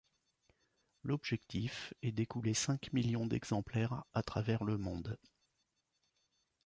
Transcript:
L'objectif est d'écouler cinq millions d'exemplaires à travers le monde.